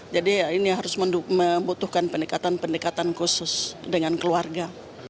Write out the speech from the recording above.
ini harus membutuhkan pendekatan pendekatan khusus dengan keluarga